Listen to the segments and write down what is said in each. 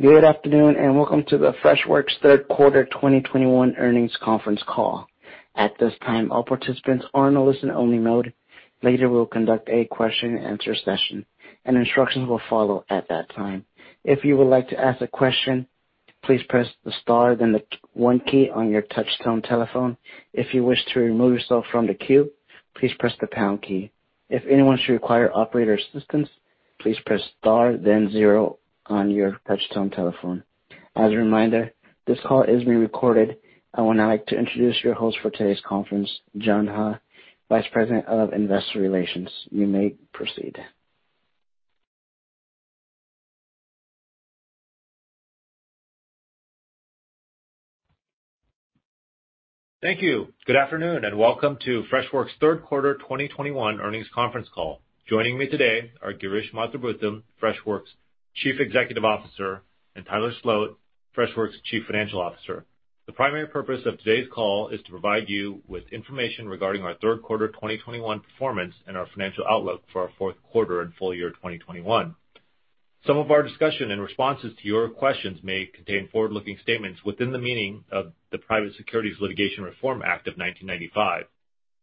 Good afternoon, and welcome to the Freshworks third quarter 2021 earnings conference call. At this time, all participants are in a listen-only mode. Later, we'll conduct a question and answer session, and instructions will follow at that time. If you would like to ask a question, please press the star then the one key on your touchtone telephone. If you wish to remove yourself from the queue, please press the pound key. If anyone should require operator assistance, please press star then zero on your touchtone telephone. As a reminder, this call is being recorded. I would now like to introduce your host for today's conference, Joon Huh, Vice President of Investor Relations. You may proceed. Thank you. Good afternoon, and welcome to Freshworks' third quarter 2021 earnings conference call. Joining me today are Girish Mathrubootham, Freshworks' Chief Executive Officer, and Tyler Sloat, Freshworks' Chief Financial Officer. The primary purpose of today's call is to provide you with information regarding our third quarter 2021 performance and our financial outlook for our fourth quarter and full year 2021. Some of our discussion and responses to your questions may contain forward-looking statements within the meaning of the Private Securities Litigation Reform Act of 1995.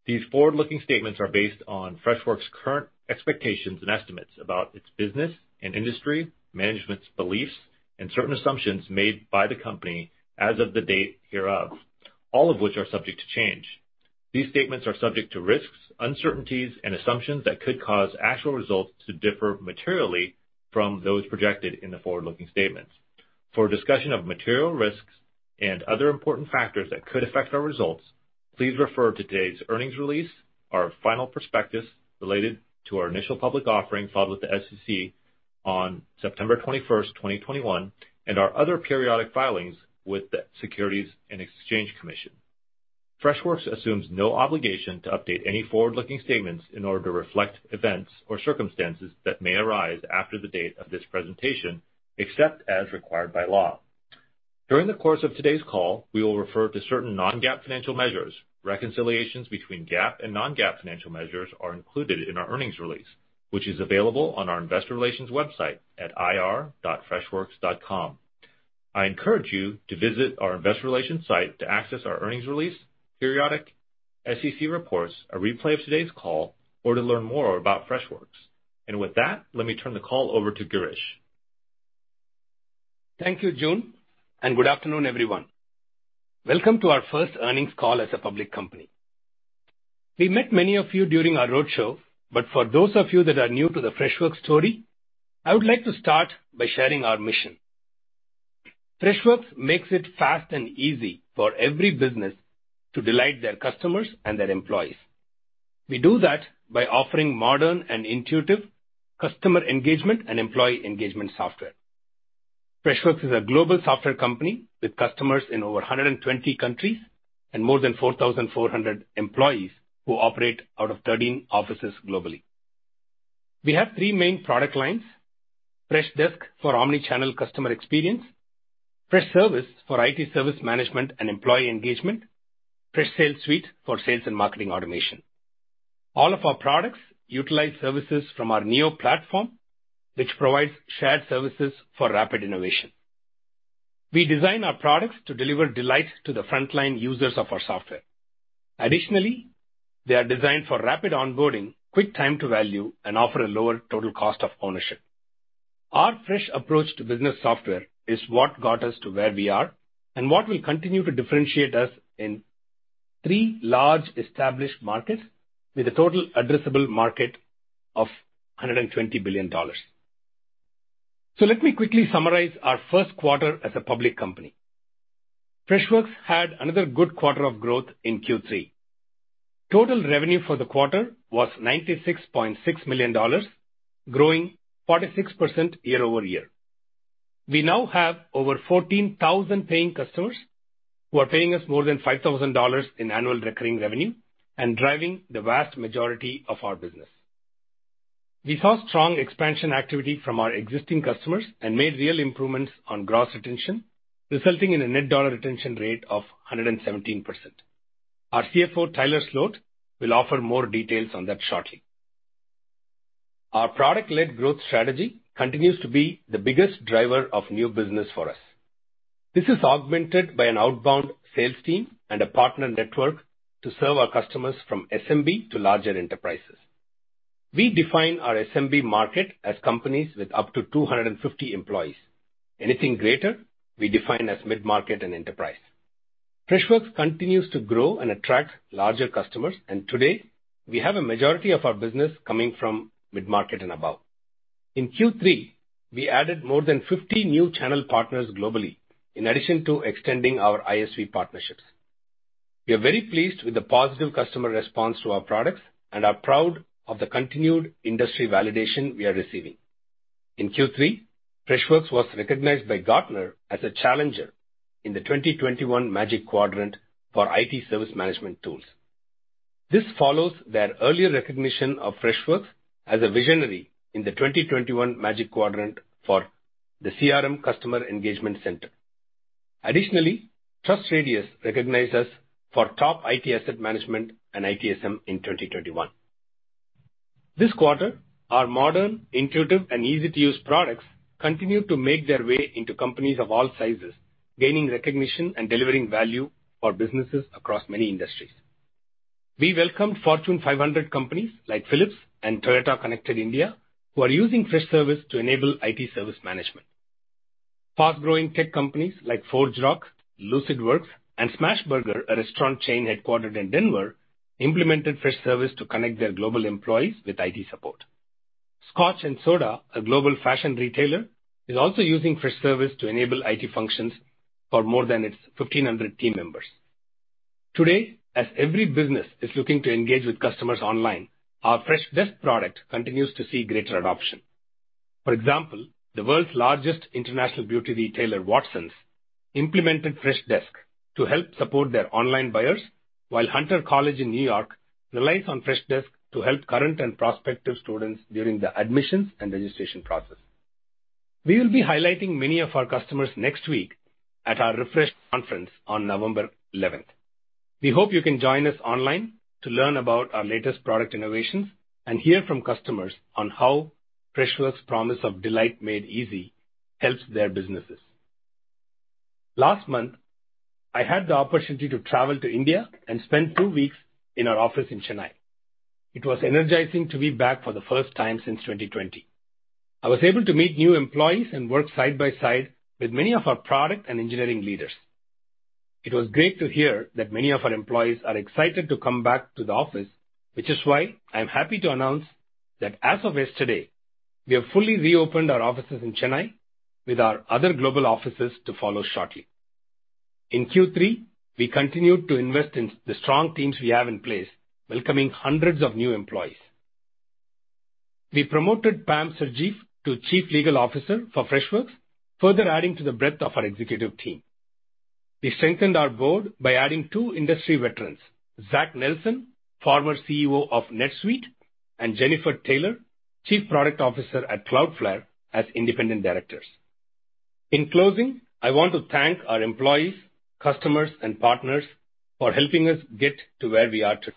These forward-looking statements are based on Freshworks' current expectations and estimates about its business and industry, management's beliefs, and certain assumptions made by the company as of the date hereof, all of which are subject to change. These statements are subject to risks, uncertainties, and assumptions that could cause actual results to differ materially from those projected in the forward-looking statements. For a discussion of material risks and other important factors that could affect our results, please refer to today's earnings release, our final prospectus related to our initial public offering filed with the SEC on September 21, 2021, and our other periodic filings with the Securities and Exchange Commission. Freshworks assumes no obligation to update any forward-looking statements in order to reflect events or circumstances that may arise after the date of this presentation, except as required by law. During the course of today's call, we will refer to certain Non-GAAP financial measures. Reconciliations between GAAP and Non-GAAP financial measures are included in our earnings release, which is available on our investor relations website at ir.freshworks.com. I encourage you to visit our investor relations site to access our earnings release, periodic SEC reports, a replay of today's call, or to learn more about Freshworks. With that, let me turn the call over to Girish. Thank you, Joon, and good afternoon, everyone. Welcome to our first earnings call as a public company. We met many of you during our roadshow, but for those of you that are new to the Freshworks story, I would like to start by sharing our mission. Freshworks makes it fast and easy for every business to delight their customers and their employees. We do that by offering modern and intuitive customer engagement and employee engagement software. Freshworks is a global software company with customers in over 120 countries and more than 4,400 employees who operate out of 13 offices globally. We have three main product lines, Freshdesk for omni-channel customer experience, Freshservice for IT service management and employee engagement, Freshsales Suite for sales and marketing automation. All of our products utilize services from our Neo platform, which provides shared services for rapid innovation. We design our products to deliver delight to the frontline users of our software. Additionally, they are designed for rapid onboarding, quick time to value, and offer a lower total cost of ownership. Our fresh approach to business software is what got us to where we are and what will continue to differentiate us in three large established markets with a total addressable market of $120 billion. Let me quickly summarize our first quarter as a public company. Freshworks had another good quarter of growth in Q3. Total revenue for the quarter was $96.6 million, growing 46% year-over-year. We now have over 14,000 paying customers who are paying us more than $5,000 in annual recurring revenue and driving the vast majority of our business. We saw strong expansion activity from our existing customers and made real improvements on gross retention, resulting in a net dollar retention rate of 117%. Our CFO, Tyler Sloat, will offer more details on that shortly. Our product-led growth strategy continues to be the biggest driver of new business for us. This is augmented by an outbound sales team and a partner network to serve our customers from SMB to larger enterprises. We define our SMB market as companies with up to 250 employees. Anything greater, we define as mid-market and enterprise. Freshworks continues to grow and attract larger customers, and today, we have a majority of our business coming from mid-market and above. In Q3, we added more than 50 new channel partners globally in addition to extending our ISV partnerships. We are very pleased with the positive customer response to our products and are proud of the continued industry validation we are receiving. In Q3, Freshworks was recognized by Gartner as a challenger in the 2021 Magic Quadrant for IT service management tools. This follows their earlier recognition of Freshworks as a visionary in the 2021 Magic Quadrant for the CRM Customer Engagement Center. Additionally, TrustRadius recognized us for top IT asset management and ITSM in 2021. This quarter, our modern, intuitive, and easy-to-use products continued to make their way into companies of all sizes, gaining recognition and delivering value for businesses across many industries. We welcomed Fortune 500 companies like Philips and Toyota Connected India, who are using Freshservice to enable IT service management. Fast-growing tech companies like ForgeRock, Lucidworks, and Smashburger, a restaurant chain headquartered in Denver, implemented Freshservice to connect their global employees with IT support. Scotch & Soda, a global fashion retailer, is also using Freshservice to enable IT functions for more than its 1,500 team members. Today, as every business is looking to engage with customers online, our Freshdesk product continues to see greater adoption. For example, the world's largest international beauty retailer, Watsons, implemented Freshdesk to help support their online buyers. While Hunter College in New York relies on Freshdesk to help current and prospective students during the admissions and registration process. We will be highlighting many of our customers next week at our Refresh conference on November eleventh. We hope you can join us online to learn about our latest product innovations and hear from customers on how Freshworks' promise of delight made easy helps their businesses. Last month, I had the opportunity to travel to India and spend two weeks in our office in Chennai. It was energizing to be back for the first time since 2020. I was able to meet new employees and work side by side with many of our product and engineering leaders. It was great to hear that many of our employees are excited to come back to the office, which is why I'm happy to announce that as of yesterday, we have fully reopened our offices in Chennai with our other global offices to follow shortly. In Q3, we continued to invest in the strong teams we have in place, welcoming hundreds of new employees. We promoted Padmini P. Saji to Chief Legal Officer for Freshworks, further adding to the breadth of our executive team. We strengthened our board by adding two industry veterans, Zach Nelson, former CEO of NetSuite, and Jennifer Taylor, Chief Product Officer at Cloudflare, as independent directors. In closing, I want to thank our employees, customers, and partners for helping us get to where we are today.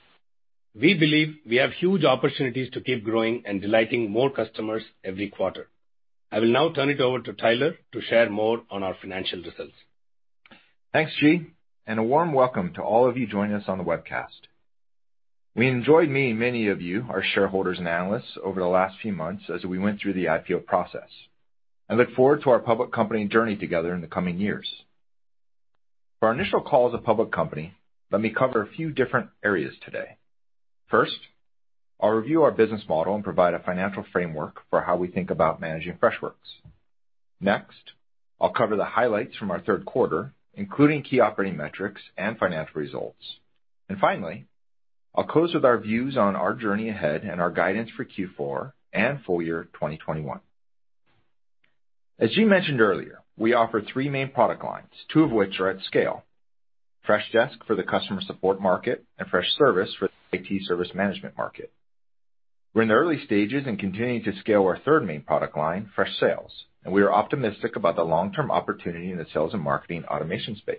We believe we have huge opportunities to keep growing and delighting more customers every quarter. I will now turn it over to Tyler to share more on our financial results. Thanks, G. A warm welcome to all of you joining us on the webcast. We enjoyed meeting many of you, our shareholders and analysts over the last few months as we went through the IPO process. I look forward to our public company journey together in the coming years. For our initial call as a public company, let me cover a few different areas today. First, I'll review our business model and provide a financial framework for how we think about managing Freshworks. Next, I'll cover the highlights from our third quarter, including key operating metrics and financial results. Finally, I'll close with our views on our journey ahead and our guidance for Q4 and full year 2021. As G mentioned earlier, we offer three main product lines, two of which are at scale. Freshdesk for the customer support market, and Freshservice for the IT service management market. We're in the early stages and continuing to scale our third main product line, Freshsales, and we are optimistic about the long-term opportunity in the sales and marketing automation space.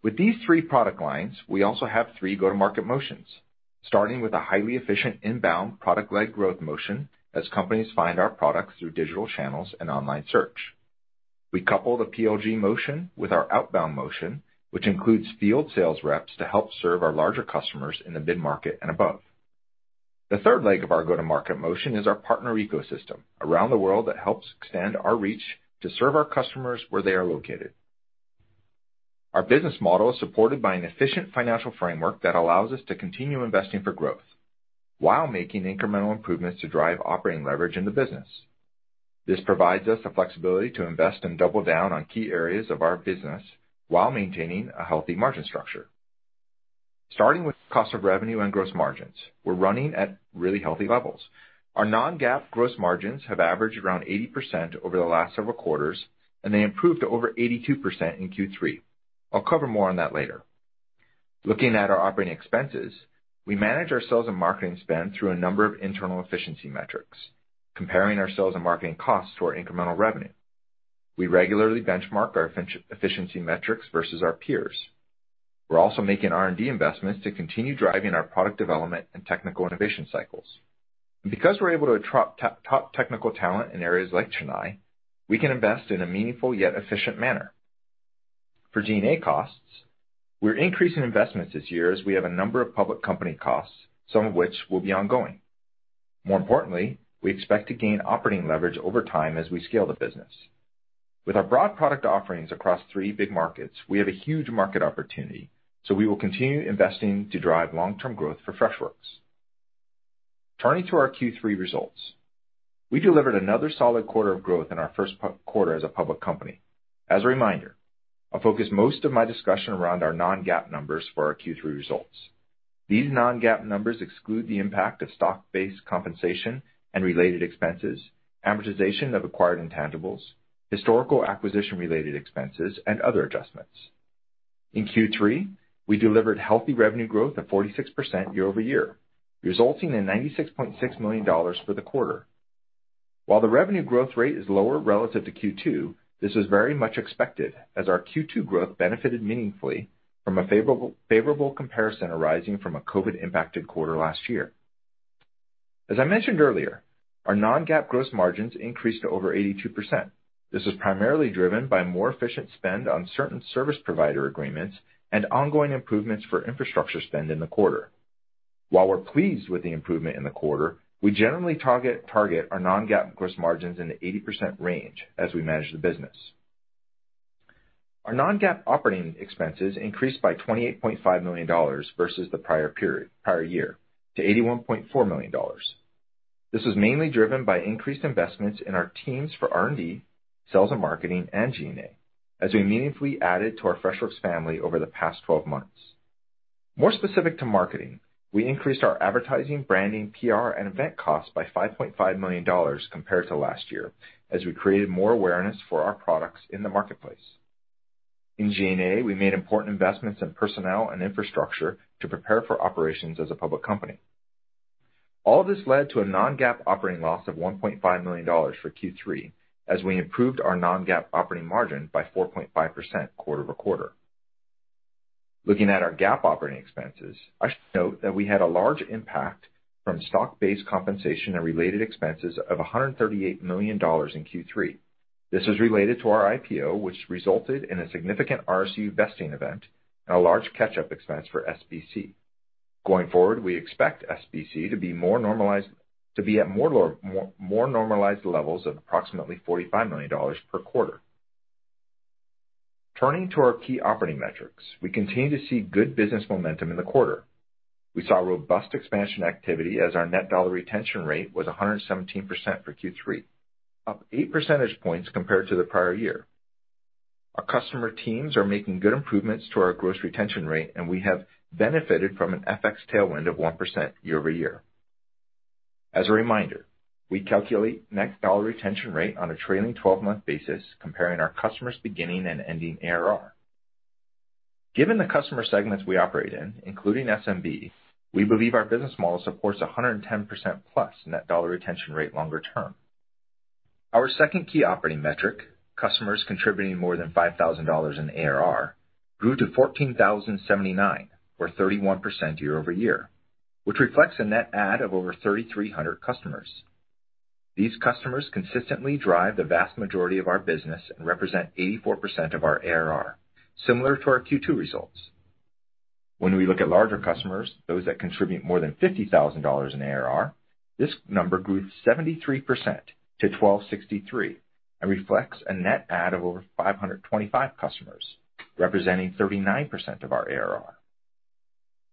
With these three product lines, we also have three go-to-market motions, starting with a highly efficient inbound product-led growth motion as companies find our products through digital channels and online search. We couple the PLG motion with our outbound motion, which includes field sales reps to help serve our larger customers in the mid-market and above. The third leg of our go-to-market motion is our partner ecosystem around the world that helps extend our reach to serve our customers where they are located. Our business model is supported by an efficient financial framework that allows us to continue investing for growth while making incremental improvements to drive operating leverage in the business. This provides us the flexibility to invest and double down on key areas of our business while maintaining a healthy margin structure. Starting with cost of revenue and gross margins, we're running at really healthy levels. Our Non-GAAP gross margins have averaged around 80% over the last several quarters, and they improved to over 82% in Q3. I'll cover more on that later. Looking at our operating expenses, we manage our sales and marketing spend through a number of internal efficiency metrics, comparing our sales and marketing costs to our incremental revenue. We regularly benchmark our efficiency metrics versus our peers. We're also making R&D investments to continue driving our product development and technical innovation cycles. Because we're able to attract top technical talent in areas like Chennai, we can invest in a meaningful yet efficient manner. For G&A costs, we're increasing investments this year as we have a number of public company costs, some of which will be ongoing. More importantly, we expect to gain operating leverage over time as we scale the business. With our broad product offerings across three big markets, we have a huge market opportunity, so we will continue investing to drive long-term growth for Freshworks. Turning to our Q3 results. We delivered another solid quarter of growth in our first public quarter as a public company. As a reminder, I'll focus most of my discussion around our Non-GAAP numbers for our Q3 results. These Non-GAAP numbers exclude the impact of stock-based compensation and related expenses, amortization of acquired intangibles, historical acquisition-related expenses, and other adjustments. In Q3, we delivered healthy revenue growth of 46% year-over-year, resulting in $96.6 million for the quarter. While the revenue growth rate is lower relative to Q2, this was very much expected as our Q2 growth benefited meaningfully from a favorable comparison arising from a COVID-impacted quarter last year. As I mentioned earlier, our Non-GAAP gross margins increased to over 82%. This was primarily driven by more efficient spend on certain service provider agreements and ongoing improvements for infrastructure spend in the quarter. While we're pleased with the improvement in the quarter, we generally target our Non-GAAP gross margins in the 80% range as we manage the business. Our Non-GAAP operating expenses increased by $28.5 million versus the prior year to $81.4 million. This was mainly driven by increased investments in our teams for R&D, sales and marketing, and G&A as we meaningfully added to our Freshworks family over the past 12 months. More specific to marketing, we increased our advertising, branding, PR, and event costs by $5.5 million compared to last year, as we created more awareness for our products in the marketplace. In G&A, we made important investments in personnel and infrastructure to prepare for operations as a public company. All this led to a Non-GAAP operating loss of $1.5 million for Q3 as we improved our Non-GAAP operating margin by 4.5% quarter over quarter. Looking at our GAAP operating expenses, I should note that we had a large impact from stock-based compensation and related expenses of $138 million in Q3. This is related to our IPO, which resulted in a significant RSU vesting event and a large catch-up expense for SBC. Going forward, we expect SBC to be more normalized, to be at more normalized levels of approximately $45 million per quarter. Turning to our key operating metrics, we continue to see good business momentum in the quarter. We saw robust expansion activity as our net dollar retention rate was 117% for Q3, up 8 percentage points compared to the prior year. Our customer teams are making good improvements to our gross retention rate, and we have benefited from an FX tailwind of 1% year-over-year. As a reminder, we calculate net dollar retention rate on a trailing twelve-month basis, comparing our customers' beginning and ending ARR. Given the customer segments we operate in, including SMB, we believe our business model supports 110%+ net dollar retention rate longer term. Our second key operating metric, customers contributing more than $5,000 in ARR, grew to 14,079, or 31% year-over-year, which reflects a net add of over 3,300 customers. These customers consistently drive the vast majority of our business and represent 84% of our ARR, similar to our Q2 results. When we look at larger customers, those that contribute more than $50,000 in ARR, this number grew 73% to 1,263 and reflects a net add of over 525 customers, representing 39% of our ARR.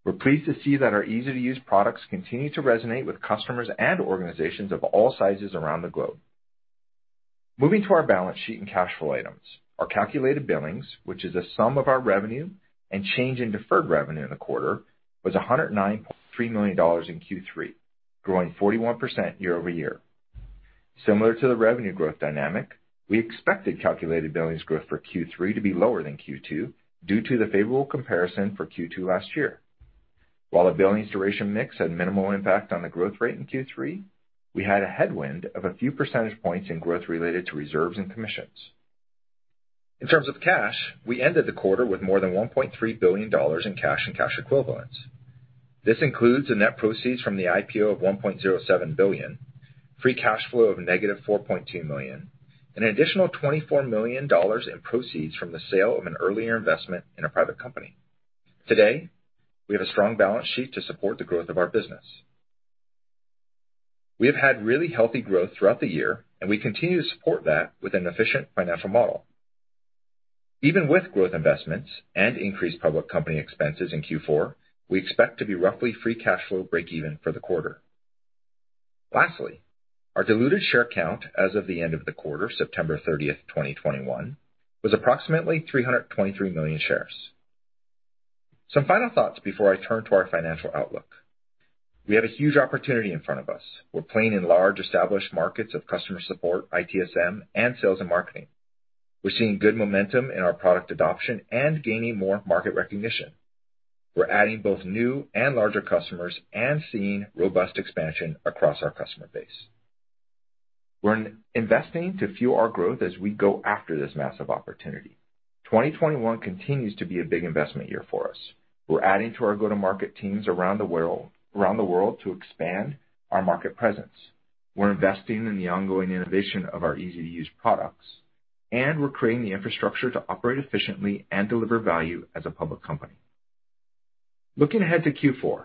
We're pleased to see that our easy-to-use products continue to resonate with customers and organizations of all sizes around the globe. Moving to our balance sheet and cash flow items, our calculated billings, which is a sum of our revenue and change in deferred revenue in the quarter, was $109.3 million in Q3, growing 41% year-over-year. Similar to the revenue growth dynamic, we expected calculated billings growth for Q3 to be lower than Q2 due to the favorable comparison for Q2 last year. While a billings duration mix had minimal impact on the growth rate in Q3, we had a headwind of a few percentage points in growth related to reserves and commissions. In terms of cash, we ended the quarter with more than $1.3 billion in cash and cash equivalents. This includes the net proceeds from the IPO of $1.07 billion, free cash flow of negative $4.2 million, an additional $24 million in proceeds from the sale of an earlier investment in a private company. Today, we have a strong balance sheet to support the growth of our business. We have had really healthy growth throughout the year, and we continue to support that with an efficient financial model. Even with growth investments and increased public company expenses in Q4, we expect to be roughly free cash flow breakeven for the quarter. Lastly, our diluted share count as of the end of the quarter, September 30, 2021, was approximately 323 million shares. Some final thoughts before I turn to our financial outlook. We have a huge opportunity in front of us. We're playing in large established markets of customer support, ITSM, and sales and marketing. We're seeing good momentum in our product adoption and gaining more market recognition. We're adding both new and larger customers and seeing robust expansion across our customer base. We're investing to fuel our growth as we go after this massive opportunity. 2021 continues to be a big investment year for us. We're adding to our go-to-market teams around the world to expand our market presence. We're investing in the ongoing innovation of our easy-to-use products, and we're creating the infrastructure to operate efficiently and deliver value as a public company. Looking ahead to Q4,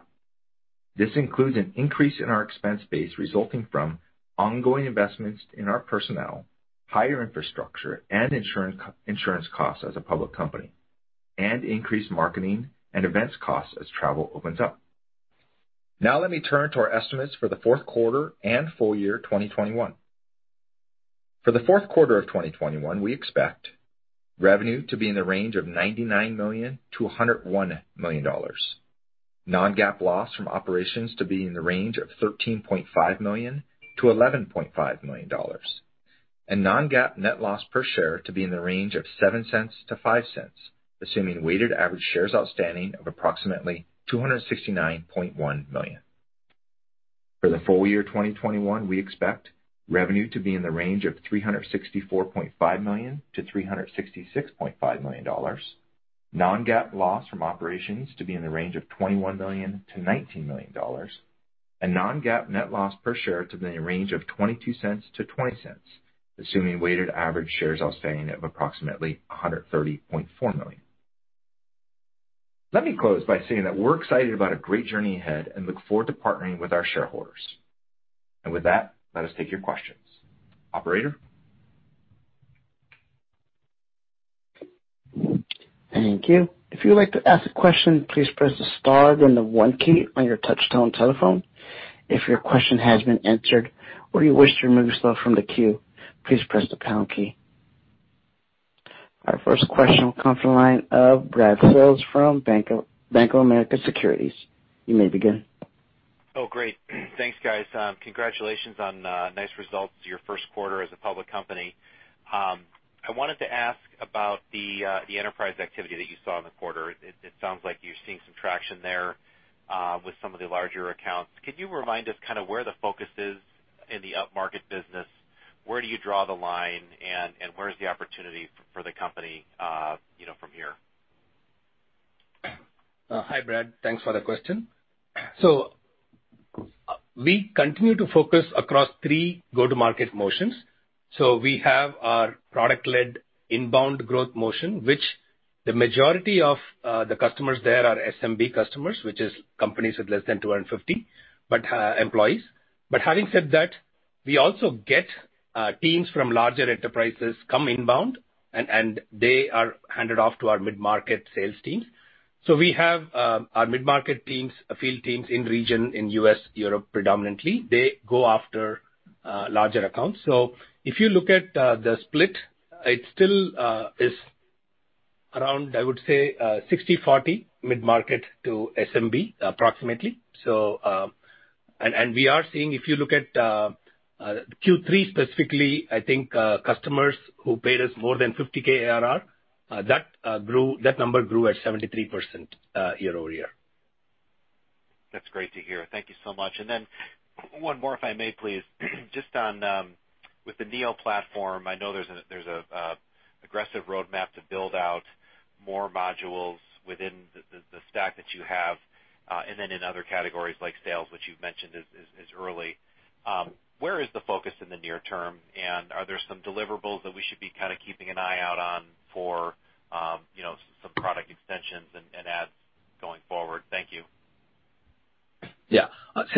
this includes an increase in our expense base resulting from ongoing investments in our personnel, higher infrastructure and insurance costs as a public company, and increased marketing and events costs as travel opens up. Now let me turn to our estimates for the fourth quarter and full year 2021. For the fourth quarter of 2021, we expect revenue to be in the range of $99 million-$101 million, Non-GAAP loss from operations to be in the range of $13.5 million-$11.5 million. Non-GAAP net loss per share to be in the range of $0.07-$0.05, assuming weighted average shares outstanding of approximately 269.1 million. For the full year 2021, we expect revenue to be in the range of $364.5 million-$366.5 million. Non-GAAP loss from operations to be in the range of $21 million-$19 million. non-GAAP net loss per share to be in the range of -$0.22 to -$0.20, assuming weighted average shares outstanding of approximately 130.4 million. Let me close by saying that we're excited about a great journey ahead and look forward to partnering with our shareholders. With that, let us take your questions. Operator? Our first question will come from the line of Brad Sills from Bank of America Securities. You may begin. Oh, great. Thanks, guys. Congratulations on nice results, your first quarter as a public company. I wanted to ask about the enterprise activity that you saw in the quarter. It sounds like you're seeing some traction there with some of the larger accounts. Can you remind us kinda where the focus is in the upmarket business? Where do you draw the line, and where is the opportunity for the company, you know, from here? Hi, Brad. Thanks for the question. We continue to focus across three go-to-market motions. We have our product-led inbound growth motion, which the majority of the customers there are SMB customers, which is companies with less than 250 employees. Having said that, we also get teams from larger enterprises come inbound, and they are handed off to our mid-market sales teams. We have our mid-market teams, field teams in regions in U.S., Europe predominantly. They go after larger accounts. If you look at the split, it still is around, I would say, 60/40 mid-market to SMB, approximately. we are seeing, if you look at Q3 specifically, I think, customers who paid us more than 50K ARR, that number grew at 73% year-over-year. That's great to hear. Thank you so much. One more, if I may, please. Just on with the Neo platform, I know there's an aggressive roadmap to build out more modules within the stack that you have, and then in other categories like sales, which you've mentioned is early. Where is the focus in the near term, and are there some deliverables that we should be kinda keeping an eye out on for, you know, some product extensions and adds going forward? Thank you. Yeah.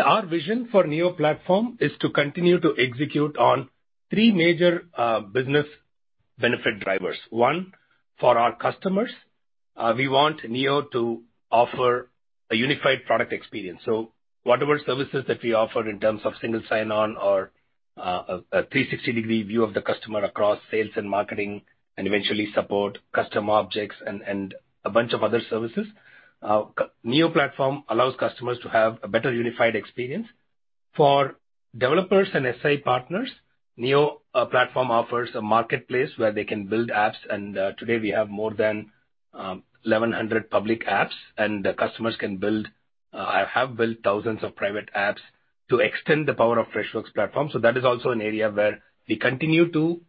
Our vision for Neo platform is to continue to execute on three major business benefit drivers. One, for our customers, we want Neo to offer a unified product experience. Whatever services that we offer in terms of single sign-on or a 360-degree view of the customer across sales and marketing and eventually support custom objects and a bunch of other services, Neo platform allows customers to have a better unified experience. For developers and SI partners, Neo platform offers a marketplace where they can build apps, and today we have more than 1,100 public apps, and the customers have built thousands of private apps to extend the power of Freshworks platform. That is also an area where we continue to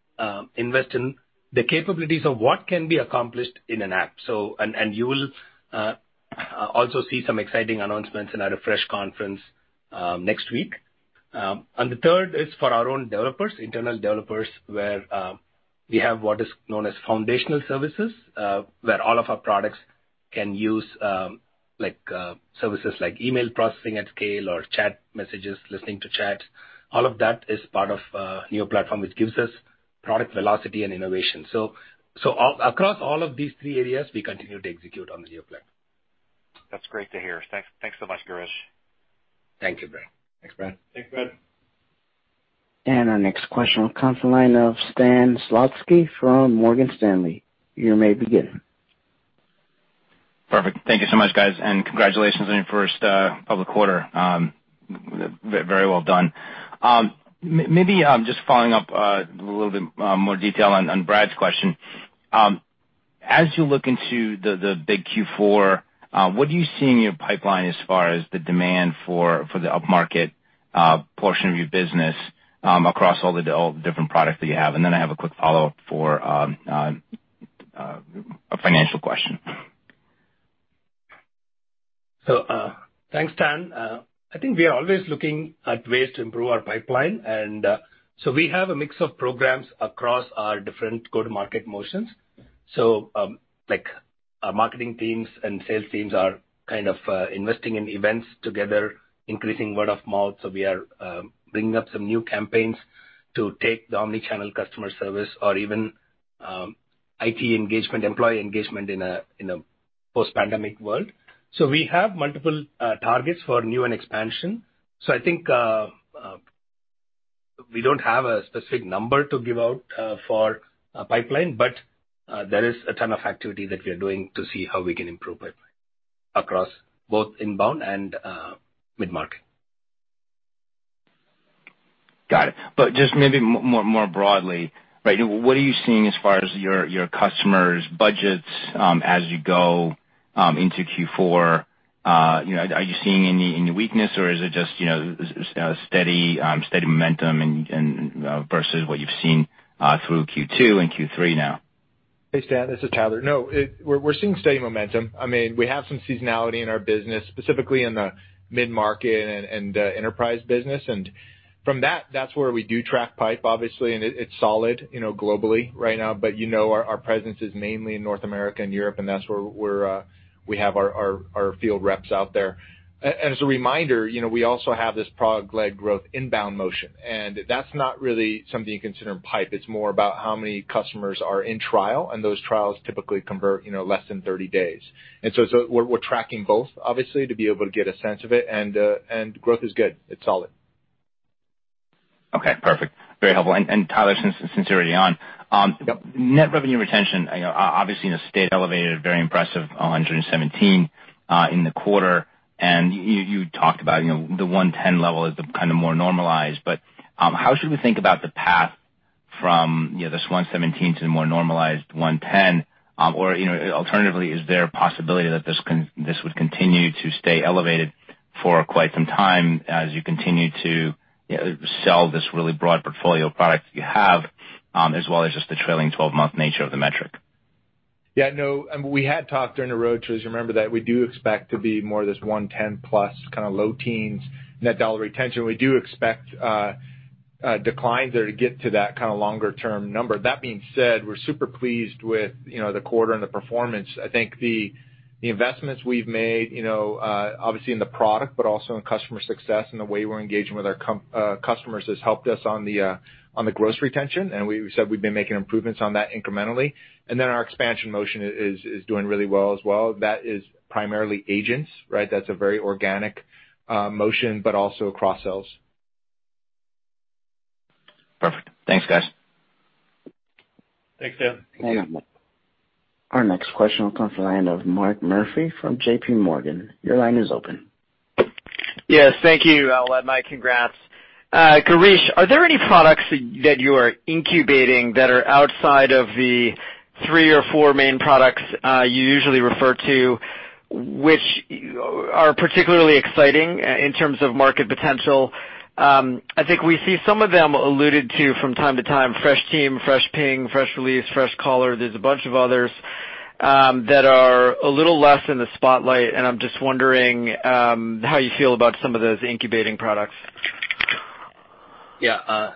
invest in the capabilities of what can be accomplished in an app. You will also see some exciting announcements in our Refresh conference next week. The third is for our own developers, internal developers, where we have what is known as foundational services, where all of our products can use like services like email processing at scale or chat messages, listening to chat. All of that is part of Neo platform, which gives us product velocity and innovation. Across all of these three areas, we continue to execute on the Neo plan. That's great to hear. Thanks so much, Girish. Thank you, Brad. Thanks, Brad. Our next question comes from the line of Sanjit Singh from Morgan Stanley. You may begin. Perfect. Thank you so much, guys, and congratulations on your first public quarter. Very well done. Maybe just following up a little bit more detail on Brad's question. As you look into the big Q4, what do you see in your pipeline as far as the demand for the upmarket portion of your business across all the different products that you have? Then I have a quick follow-up for a financial question. Thanks, Sanjit. I think we are always looking at ways to improve our pipeline. We have a mix of programs across our different go-to-market motions. Like, our marketing teams and sales teams are kind of investing in events together, increasing word of mouth. We are bringing up some new campaigns to tackle the omni-channel customer service or even IT engagement, employee engagement in a post-pandemic world. We have multiple targets for new and expansion. I think we don't have a specific number to give out for pipeline, but there is a ton of activity that we are doing to see how we can improve pipeline. Across both inbound and mid-market. Got it. Just maybe more broadly, right? What are you seeing as far as your customers' budgets as you go into Q4? You know, are you seeing any weakness, or is it just you know, steady momentum and versus what you've seen through Q2 and Q3 now? Hey, Stan, this is Tyler. No, we're seeing steady momentum. I mean, we have some seasonality in our business, specifically in the mid-market and enterprise business. From that's where we do track pipe, obviously, and it's solid, you know, globally right now. You know our presence is mainly in North America and Europe, and that's where we have our field reps out there. As a reminder, you know, we also have this product-led growth inbound motion, and that's not really something you consider in pipe. It's more about how many customers are in trial, and those trials typically convert, you know, less than 30 days. So we're tracking both, obviously, to be able to get a sense of it. Growth is good. It's solid. Okay, perfect. Very helpful. Tyler, since you're already on. Yep. Net revenue retention, you know, obviously stayed elevated, very impressive, 117 in the quarter. You talked about, you know, the 110 level is the kind of more normalized. How should we think about the path from, you know, this 117 to the more normalized 110? Or, you know, alternatively, is there a possibility that this would continue to stay elevated for quite some time as you continue to, you know, sell this really broad portfolio of products you have, as well as just the trailing twelve-month nature of the metric? Yeah, no, we had talked during the road shows, remember, that we do expect to be more of this 110+ kinda low teens net dollar retention. We do expect declines there to get to that kinda longer-term number. That being said, we're super pleased with, you know, the quarter and the performance. I think the investments we've made, you know, obviously in the product but also in customer success and the way we're engaging with our customers has helped us on the gross retention, and we said we've been making improvements on that incrementally. Our expansion motion is doing really well as well. That is primarily agents, right? That's a very organic motion, but also cross-sells. Perfect. Thanks, guys. Thanks, Sanjit. Thank you. Our next question will come from the line of Mark Murphy from JPMorgan. Your line is open. Yes, thank you, operator. My congrats. Girish, are there any products that you are incubating that are outside of the three or four main products you usually refer to, which are particularly exciting in terms of market potential? I think we see some of them alluded to from time to time, Freshteam, Freshping, Freshrelease, Freshcaller. There's a bunch of others that are a little less in the spotlight, and I'm just wondering how you feel about some of those incubating products.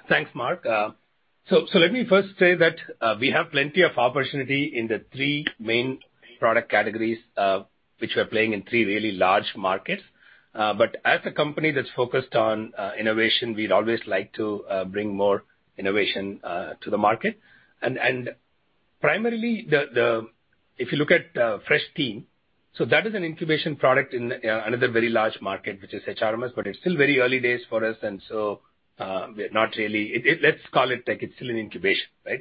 Thanks, Mark. Let me first say that we have plenty of opportunity in the three main product categories, which we're playing in three really large markets. As a company that's focused on innovation, we'd always like to bring more innovation to the market. Primarily, if you look at Freshteam, that is an incubation product in another very large market, which is HRMS, but it's still very early days for us. We're not really. Let's call it like it's still in incubation, right?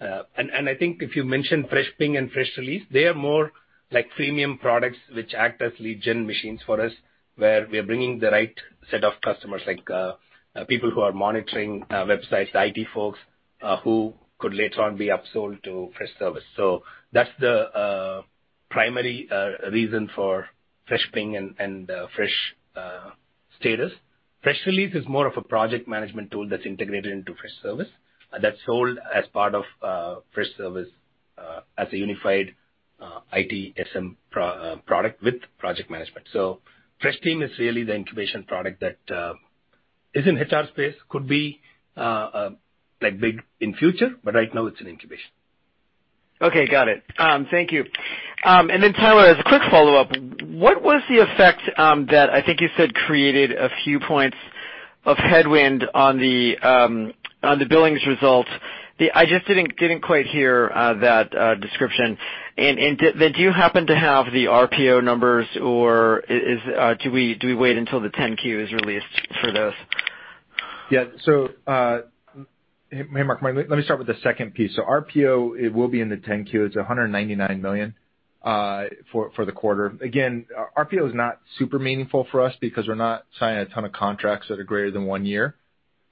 I think if you mentioned Freshping and Freshrelease, they are more like premium products which act as lead gen machines for us, where we are bringing the right set of customers, like, people who are monitoring websites, the IT folks, who could later on be upsold to Freshservice. That's the primary reason for Freshping and Freshstatus. Freshrelease is more of a project management tool that's integrated into Freshservice, that's sold as part of Freshservice, as a unified ITSM product with project management. Freshteam is really the incubation product that is in HR space, could be like big in future, but right now it's in incubation. Okay. Got it. Thank you. Then Tyler, as a quick follow-up, what was the effect that I think you said created a few points of headwind on the billings results? I just didn't quite hear that description. Did you happen to have the RPO numbers or is do we wait until the 10-Q is released for those? Hey, Mark. Mark, let me start with the second piece. RPO, it will be in the 10-Q. It's $199 million for the quarter. Again, RPO is not super meaningful for us because we're not signing a ton of contracts that are greater than one year,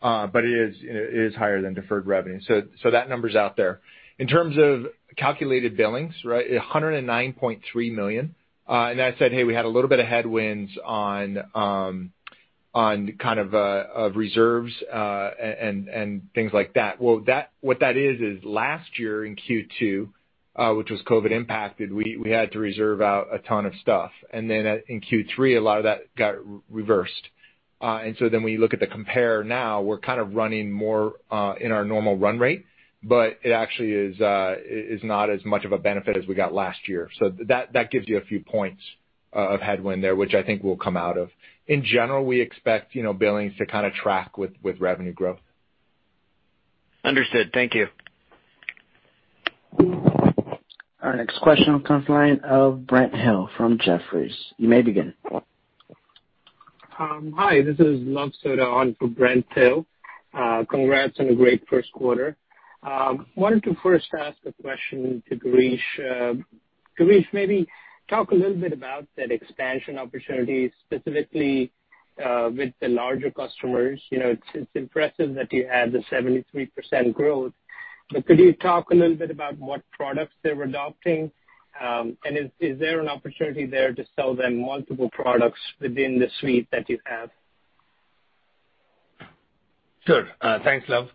but it is higher than deferred revenue. That number's out there. In terms of calculated billings, right, $109.3 million, and I said, hey, we had a little bit of headwinds on reserves and things like that. What that is last year in Q2, which was COVID impacted, we had to reserve out a ton of stuff. Then in Q3, a lot of that got reversed. When you look at the compare now, we're kind of running more in our normal run rate, but it actually is not as much of a benefit as we got last year. That gives you a few points of headwind there, which I think we'll come out of. In general, we expect billings to kinda track with revenue growth. Understood. Thank you. Our next question will come from the line of Brent Thill from Jefferies. You may begin. Hi, this is Brad Sills on for Brent Thill. Congrats on a great first quarter. I wanted to first ask a question to Girish. Girish, maybe talk a little bit about that expansion opportunity specifically with the larger customers. You know, it's impressive that you had the 73% growth, but could you talk a little bit about what products they're adopting? Is there an opportunity there to sell them multiple products within the suite that you have? Sure. Thanks, Brad.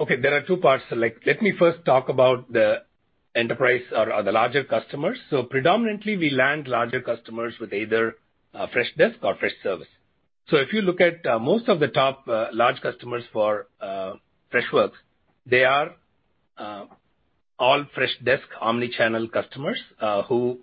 Okay, there are two parts. Like, let me first talk about the enterprise or the larger customers. Predominantly we land larger customers with either Freshdesk or Freshservice. If you look at most of the top large customers for Freshworks, they are all Freshdesk omni-channel customers who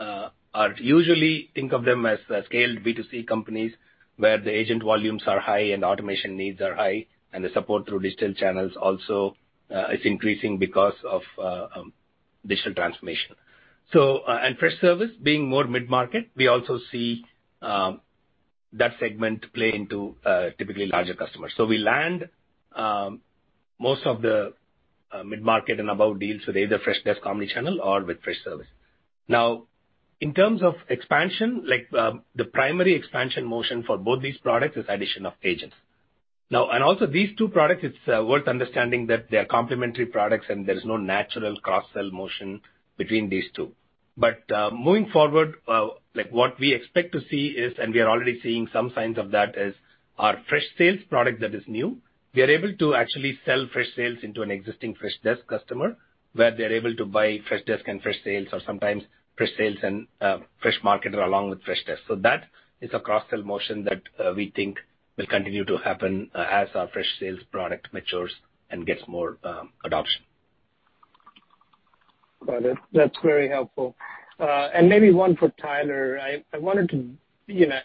we usually think of as scaled B2C companies, where the agent volumes are high and automation needs are high, and the support through digital channels also is increasing because of digital transformation. Freshservice being more mid-market, we also see that segment play into typically larger customers. We land most of the mid-market and above deals with either Freshdesk omni-channel or with Freshservice. Now, in terms of expansion, like, the primary expansion motion for both these products is addition of agents. Now, also these two products, it's worth understanding that they are complementary products and there is no natural cross-sell motion between these two. Moving forward, like, what we expect to see is, and we are already seeing some signs of that, is our Freshsales product that is new. We are able to actually sell Freshsales into an existing Freshdesk customer, where they're able to buy Freshdesk and Freshsales, or sometimes Freshsales and Freshmarketer along with Freshdesk. That is a cross-sell motion that we think will continue to happen as our Freshsales product matures and gets more adoption. Got it. That's very helpful. Maybe one for Tyler. I wanted to, you know,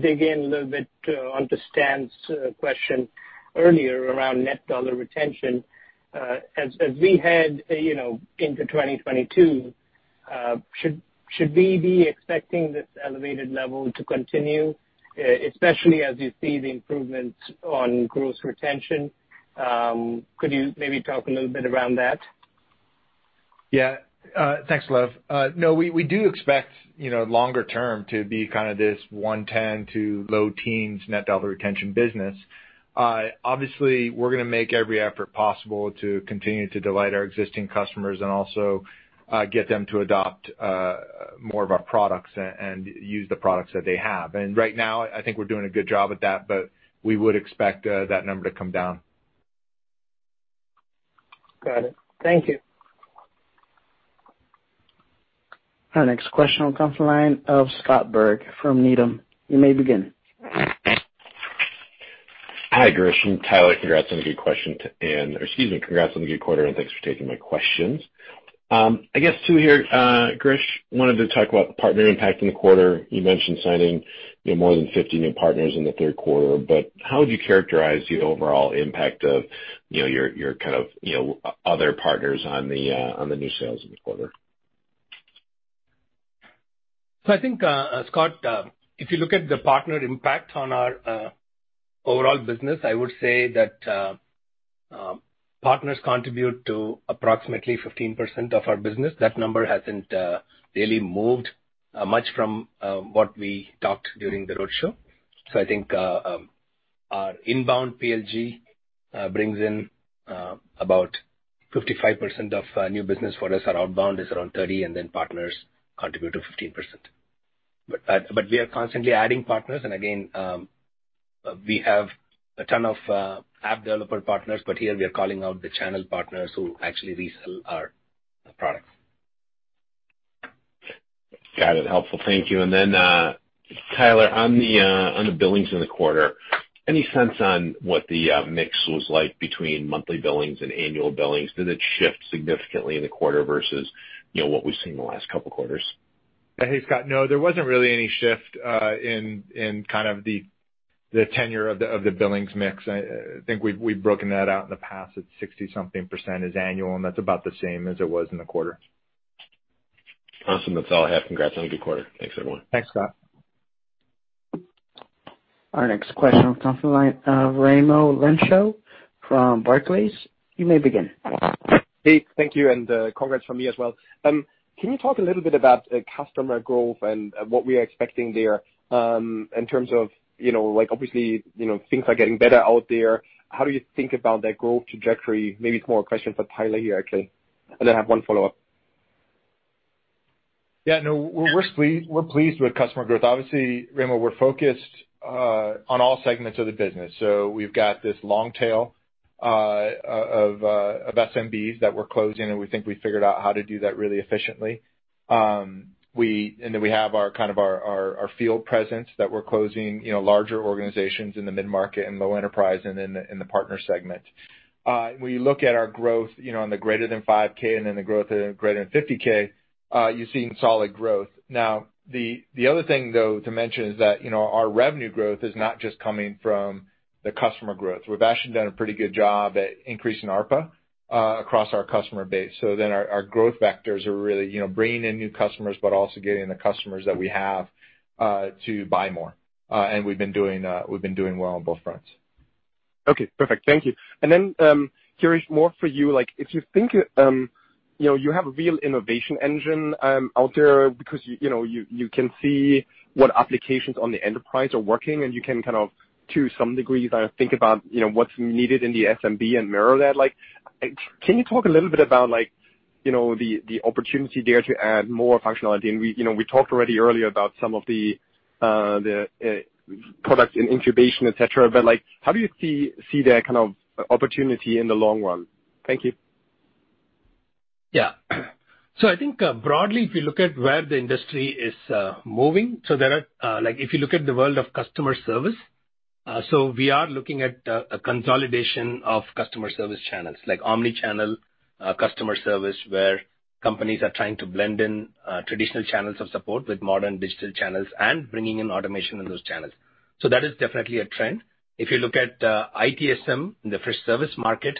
dig in a little bit to understand question earlier around net dollar retention. As we head, you know, into 2022, should we be expecting this elevated level to continue, especially as you see the improvements on gross retention? Could you maybe talk a little bit around that? Yeah. Thanks, Love. No, we do expect, you know, longer term to be kind of this 110 to low teens net dollar retention business. Obviously, we're gonna make every effort possible to continue to delight our existing customers and also get them to adopt more of our products and use the products that they have. Right now I think we're doing a good job at that, but we would expect that number to come down. Got it. Thank you. Our next question will come from the line of Scott Berg from Needham. You may begin. Hi, Girish and Tyler. Congrats on the good quarter, and thanks for taking my questions. I guess two here. Girish, I wanted to talk about the partner impact in the quarter. You mentioned signing, you know, more than 50 new partners in the third quarter, but how would you characterize the overall impact of, you know, your kind of, you know, other partners on the new sales in the quarter? I think, Scott, if you look at the partner impact on our overall business, I would say that partners contribute to approximately 15% of our business. That number hasn't really moved much from what we talked during the roadshow. I think our inbound PLG brings in about 55% of new business for us. Our outbound is around 30, and then partners contribute to 15%. We are constantly adding partners. Again, we have a ton of app developer partners, but here we are calling out the channel partners who actually resell our products. Got it. Helpful. Thank you. Tyler, on the billings in the quarter, any sense on what the mix was like between monthly billings and annual billings? Did it shift significantly in the quarter versus, you know, what we've seen in the last couple of quarters? Hey, Scott. No, there wasn't really any shift in kind of the tenor of the billings mix. I think we've broken that out in the past. It's 60-something% annual, and that's about the same as it was in the quarter. Awesome. That's all I have. Congrats on a good quarter. Thanks, everyone. Thanks, Scott. Our next question will come from the line of Raimo Lenschow from Barclays. You may begin. Hey, thank you, and congrats from me as well. Can you talk a little bit about customer growth and what we are expecting there in terms of, you know, like, obviously, you know, things are getting better out there. How do you think about that growth trajectory? Maybe it's more a question for Tyler here, actually. I have one follow-up. Yeah, no, we're pleased with customer growth. Obviously, Raimo, we're focused on all segments of the business. We've got this long tail of SMBs that we're closing, and we think we figured out how to do that really efficiently. We have our kind of field presence that we're closing, you know, larger organizations in the mid-market and low enterprise and in the partner segment. When you look at our growth, you know, on the greater than 5K and then the growth greater than 50K, you're seeing solid growth. Now, the other thing, though, to mention is that, you know, our revenue growth is not just coming from the customer growth. We've actually done a pretty good job at increasing ARPA across our customer base. Our growth vectors are really, you know, bringing in new customers but also getting the customers that we have to buy more. We've been doing well on both fronts. Okay, perfect. Thank you. Then, Girish, more for you, like if you think, you know, you have a real innovation engine out there because you know, you can see what applications on the enterprise are working, and you can kind of, to some degree, kind of think about, you know, what's needed in the SMB and mirror that. Like, can you talk a little bit about, like, you know, the opportunity there to add more functionality? We, you know, we talked already earlier about some of the products in incubation, et cetera, but, like, how do you see that kind of opportunity in the long run? Thank you. Yeah, I think, broadly, if you look at where the industry is moving, there are like, if you look at the world of customer service, we are looking at a consolidation of customer service channels. Like omni-channel customer service, where companies are trying to blend in traditional channels of support with modern digital channels and bringing in automation in those channels. That is definitely a trend. If you look at ITSM in the Freshservice market,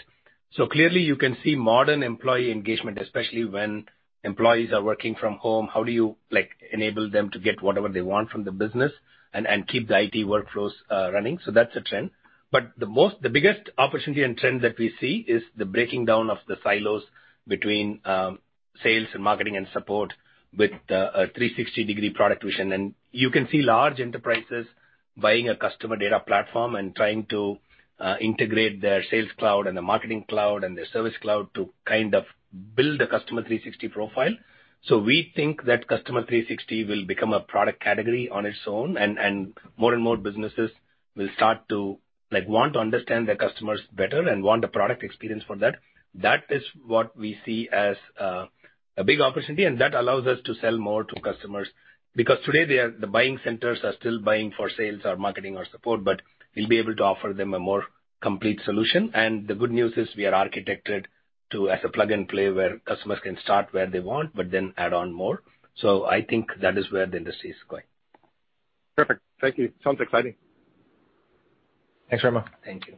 clearly you can see modern employee engagement, especially when employees are working from home. How do you like enable them to get whatever they want from the business and keep the IT workflows running? That's a trend. The biggest opportunity and trend that we see is the breaking down of the silos between sales and marketing and support with a 360-degree product vision. You can see large enterprises buying a customer data platform and trying to integrate their sales cloud and the marketing cloud and their service cloud to kind of build a customer 360 profile. We think that customer 360 will become a product category on its own, and more and more businesses will start to, like, want to understand their customers better and want a product experience for that. That is what we see as a big opportunity, and that allows us to sell more to customers. Because today the buying centers are still buying for sales or marketing or support, but we'll be able to offer them a more complete solution. The good news is we are architected to, as a plug and play, where customers can start where they want, but then add on more. I think that is where the industry is going. Perfect. Thank you. Sounds exciting. Thanks, Raimo. Thank you.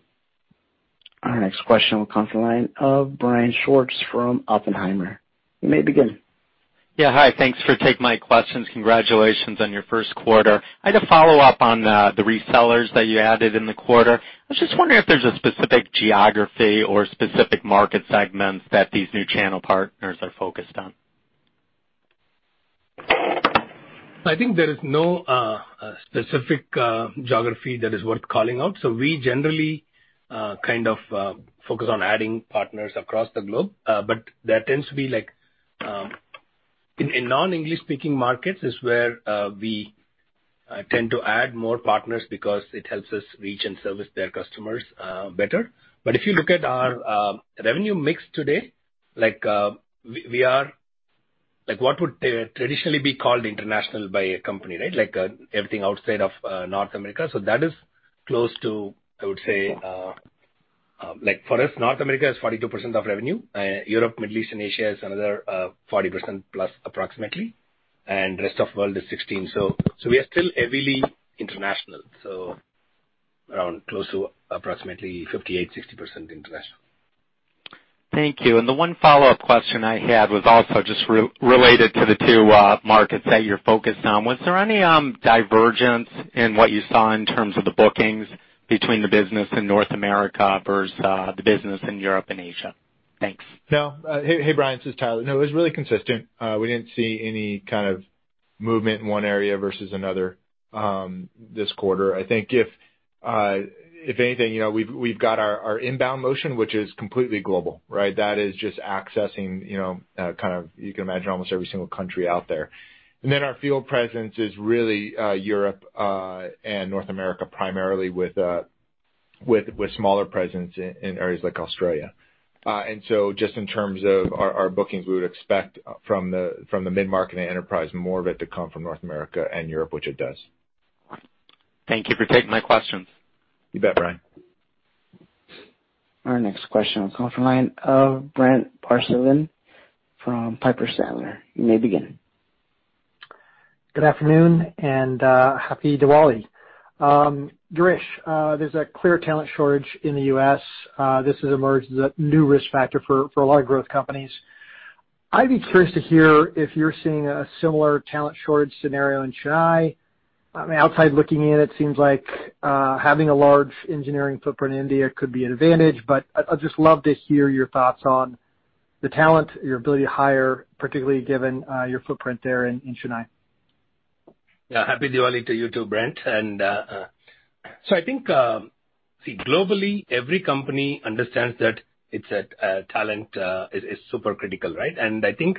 Our next question will come from the line of Brian Schwartz from Oppenheimer. You may begin. Yeah, hi. Thanks for taking my questions. Congratulations on your first quarter. I had a follow-up on the resellers that you added in the quarter. I was just wondering if there's a specific geography or specific market segments that these new channel partners are focused on. I think there is no specific geography that is worth calling out. We generally kind of focus on adding partners across the globe. But there tends to be like in non-English speaking markets is where we tend to add more partners because it helps us reach and service their customers better. But if you look at our revenue mix today, like, we are like what would traditionally be called international by a company, right? Like everything outside of North America. That is close to, I would say, like for us, North America is 42% of revenue. Europe, Middle East and Asia is another 40% plus approximately. Rest of the world is 16%. We are still heavily international. Around close to approximately 58%-60% international. Thank you. The one follow-up question I had was also just related to the two markets that you're focused on. Was there any divergence in what you saw in terms of the bookings between the business in North America versus the business in Europe and Asia? Thanks. No. Hey, Brian, this is Tyler. No, it was really consistent. We didn't see any kind of movement in one area versus another, this quarter. I think if anything, you know, we've got our inbound motion, which is completely global, right? That is just accessing, you know, kind of, you can imagine, almost every single country out there. Then our field presence is really Europe and North America primarily with smaller presence in areas like Australia. Just in terms of our bookings, we would expect from the mid-market and enterprise more of it to come from North America and Europe, which it does. Thank you for taking my questions. You bet, Brian. Our next question will come from the line of Brent Bracelin from Piper Sandler. You may begin. Good afternoon, and happy Diwali. Girish, there's a clear talent shortage in the U.S. This has emerged as a new risk factor for a lot of growth companies. I'd be curious to hear if you're seeing a similar talent shortage scenario in Chennai. I mean, outside looking in, it seems like having a large engineering footprint in India could be an advantage. I'd just love to hear your thoughts on the talent, your ability to hire, particularly given your footprint there in Chennai. Yeah. Happy Diwali to you too, Brent. I think globally, every company understands that it's a talent is super critical, right? I think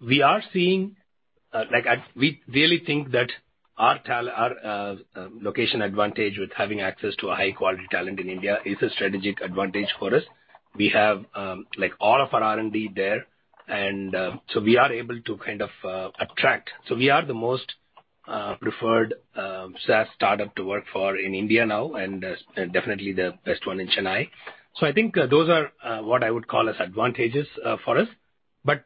we really think that our location advantage with having access to a high quality talent in India is a strategic advantage for us. We have like all of our R&D there. We are able to kind of attract. We are the most preferred SaaS startup to work for in India now and definitely the best one in Chennai. I think those are what I would call as advantages for us.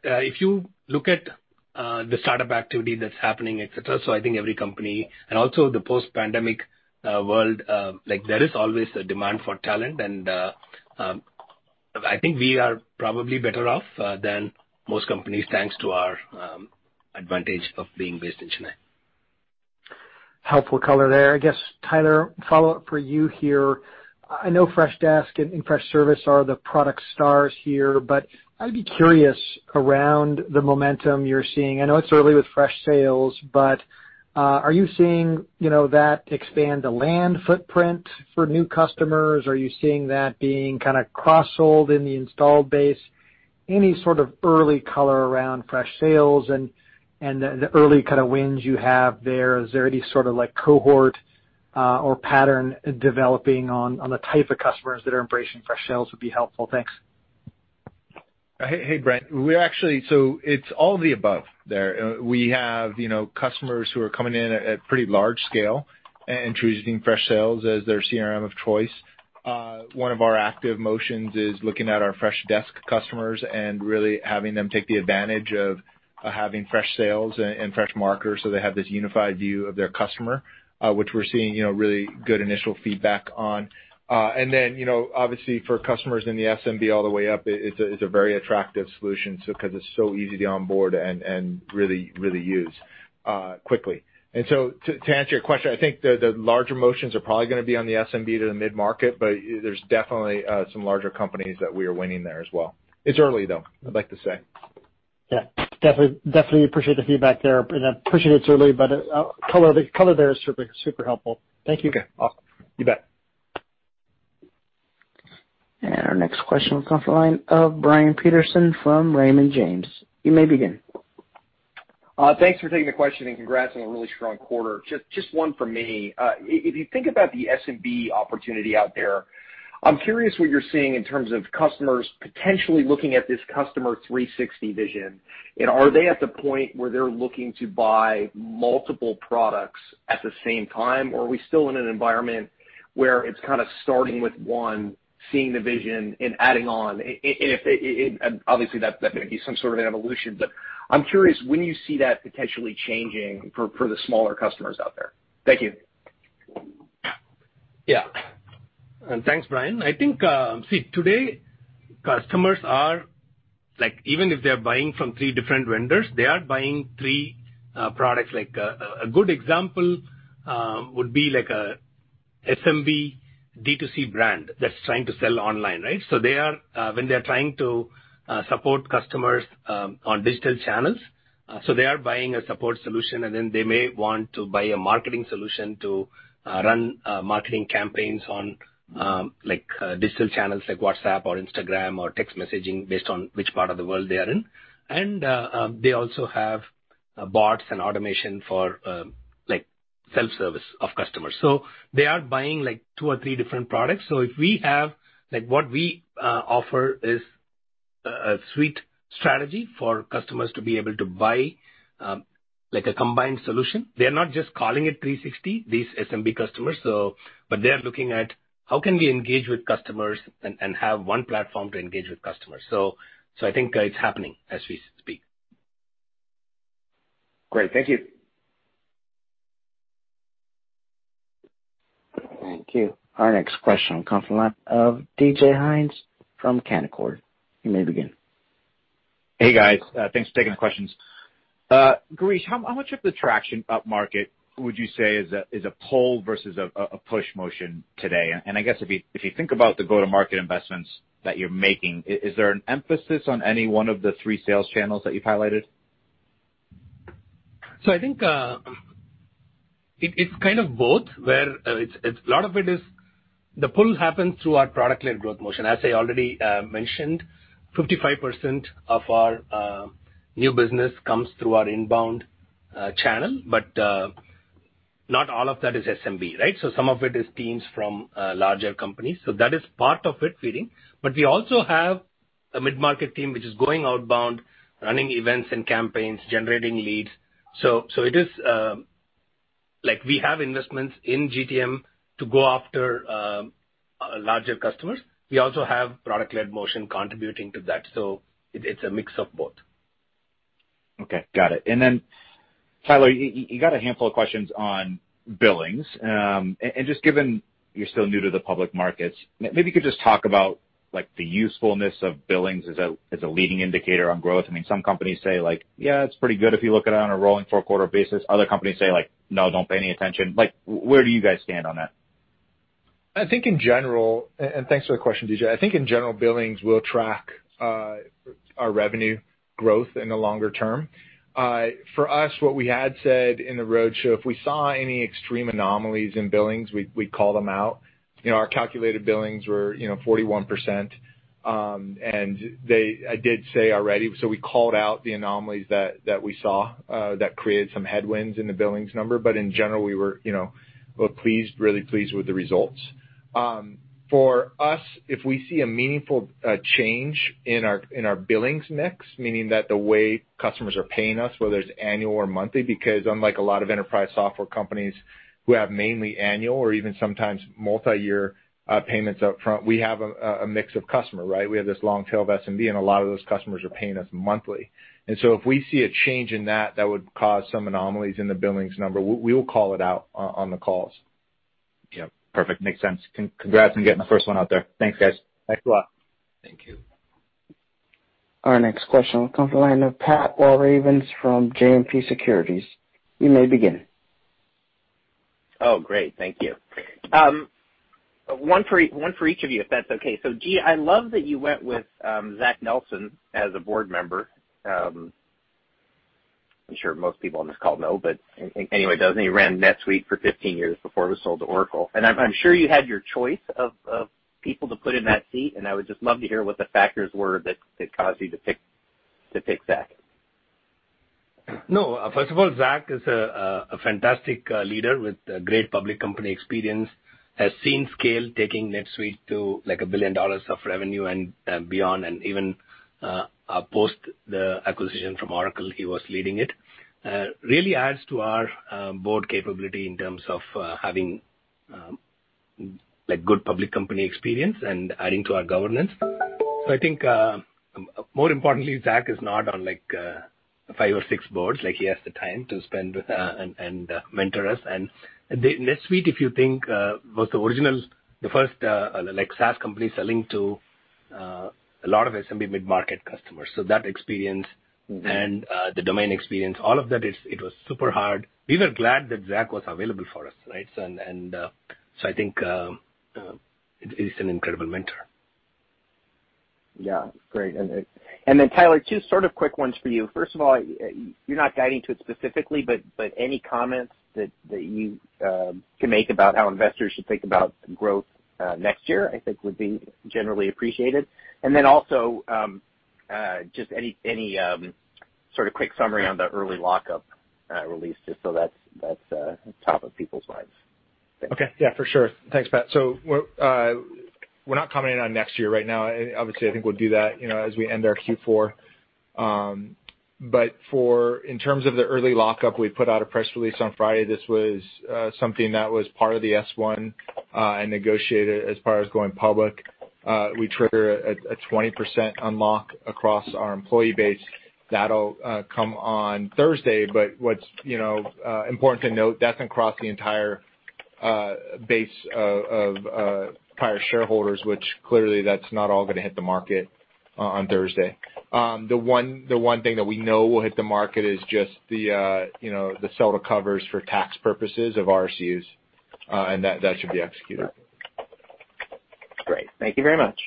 If you look at the startup activity that's happening, et cetera, so I think every company, and also the post-pandemic world, like there is always a demand for talent. I think we are probably better off than most companies, thanks to our advantage of being based in Chennai. Helpful color there. I guess, Tyler, follow-up for you here. I know Freshdesk and Freshservice are the product stars here, but I'd be curious around the momentum you're seeing. I know it's early with Freshsales, but are you seeing, you know, that land and expand footprint for new customers? Are you seeing that being kinda cross-sold in the installed base? Any sort of early color around Freshsales and the early kinda wins you have there? Is there any sorta like cohort or pattern developing on the type of customers that are embracing Freshsales would be helpful. Thanks. Hey, Brent. It's all of the above there. We have, you know, customers who are coming in at pretty large scale and choosing Freshsales as their CRM of choice. One of our active motions is looking at our Freshdesk customers and really having them take the advantage of having Freshsales and Freshmarketer, so they have this unified view of their customer, which we're seeing, you know, really good initial feedback on. You know, obviously for customers in the SMB all the way up, it's a very attractive solution 'cause it's so easy to onboard and really use quickly. To answer your question, I think the larger motions are probably gonna be on the SMB to the mid-market, but there's definitely some larger companies that we are winning there as well. It's early, though, I'd like to say. Yeah. Definitely appreciate the feedback there. I appreciate it's early, but the color there is super helpful. Thank you. Okay. Awesome. You bet. Our next question will come from the line of Brian Peterson from Raymond James. You may begin. Thanks for taking the question, and congrats on a really strong quarter. Just one from me. If you think about the SMB opportunity out there, I'm curious what you're seeing in terms of customers potentially looking at this Customer 360 vision. Are they at the point where they're looking to buy multiple products at the same time? Or are we still in an environment where it's kinda starting with one, seeing the vision and adding on? Obviously, that may be some sort of evolution, but I'm curious when you see that potentially changing for the smaller customers out there. Thank you. Yeah. Thanks, Brian. I think today customers are like even if they're buying from three different vendors, they are buying three products. Like a good example would be like a SMB D2C brand that's trying to sell online, right? They are when they're trying to support customers on digital channels, so they are buying a support solution, and then they may want to buy a marketing solution to run marketing campaigns on like digital channels like WhatsApp or Instagram or text messaging based on which part of the world they are in. They also have bots and automation for like self-service of customers. They are buying like two or three different products. If we have like what we offer is a suite strategy for customers to be able to buy like a combined solution. They're not just calling it 360, these SMB customers. They're looking at how can we engage with customers and have one platform to engage with customers. I think it's happening as we speak. Great. Thank you. Thank you. Our next question will come from the line of DJ Hynes from Canaccord. You may begin. Hey, guys. Thanks for taking the questions. Girish, how much of the traction upmarket would you say is a pull versus a push motion today? I guess if you think about the go-to-market investments that you're making, is there an emphasis on any one of the three sales channels that you've highlighted? I think it's kind of both, where a lot of it is the pull happens through our product-led growth motion. As I already mentioned, 55% of our new business comes through our inbound channel, but not all of that is SMB, right? Some of it is teams from larger companies, so that is part of it feeding. We also have a mid-market team which is going outbound, running events and campaigns, generating leads. Like we have investments in GTM to go after larger customers. We also have product-led motion contributing to that. It's a mix of both. Okay. Got it. Tyler, you got a handful of questions on billings. And just given you're still new to the public markets, maybe you could just talk about like the usefulness of billings as a leading indicator on growth. I mean, some companies say like, "Yeah, it's pretty good if you look at it on a rolling 4-quarter basis." Other companies say like, "No, don't pay any attention." Like, where do you guys stand on that? I think in general, and thanks for the question, DJ. I think in general, billings will track our revenue growth in the longer term. For us, what we had said in the roadshow, if we saw any extreme anomalies in billings, we'd call them out. You know, our calculated billings were, you know, 41%. And they, I did say already, so we called out the anomalies that we saw that created some headwinds in the billings number. In general, we were, you know, we're pleased, really pleased with the results. For us, if we see a meaningful change in our billings mix, meaning that the way customers are paying us, whether it's annual or monthly, because unlike a lot of enterprise software companies who have mainly annual or even sometimes multiyear payments up front, we have a mix of customer, right? We have this long tail of SMB, and a lot of those customers are paying us monthly. If we see a change in that that would cause some anomalies in the billings number, we will call it out on the calls. Yeah. Perfect. Makes sense. Congrats on getting the first one out there. Thanks, guys. Thanks a lot. Thank you. Our next question will come from the line of Patrick Walravens from JMP Securities. You may begin. Oh, great. Thank you. One for each of you, if that's okay. G, I love that you went with Zach Nelson as a board member. I'm sure most people on this call know, but anyway, he ran NetSuite for 15 years before it was sold to Oracle. I'm sure you had your choice of people to put in that seat, and I would just love to hear what the factors were that caused you to pick Zach. No. First of all, Zach is a fantastic leader with great public company experience, has seen scale taking NetSuite to, like, $1 billion of revenue and beyond, and even post the acquisition from Oracle, he was leading it. Really adds to our board capability in terms of having like good public company experience and adding to our governance. I think more importantly, Zach is not on like five or six boards. Like he has the time to spend with and mentor us. NetSuite, if you think, was the original, the first like SaaS company selling to a lot of SMB mid-market customers. That experience and the domain experience, all of that is it was super hard. We were glad that Zach was available for us, right? I think he's an incredible mentor. Yeah. Great. Then, Tyler, two sort of quick ones for you. First of all, you're not guiding to it specifically, but any comments that you can make about how investors should think about growth next year, I think would be generally appreciated. Then also, just any sort of quick summary on the early lockup release, just so that's top of people's minds. Okay. Yeah, for sure. Thanks, Pat. We're not commenting on next year right now. Obviously, I think we'll do that, you know, as we end our Q4. In terms of the early lockup, we put out a press release on Friday. This was something that was part of the S-1 and negotiated as far as going public. We trigger a 20% unlock across our employee base. That'll come on Thursday, but what's, you know, important to note, that's across the entire base of prior shareholders, which clearly that's not all gonna hit the market on Thursday. The one thing that we know will hit the market is just the, you know, the sell-to-cover for tax purposes of RSUs and that should be executed. Great. Thank you very much.